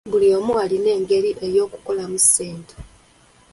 Buli omu alina engeri ye ey'okukolamu ssente.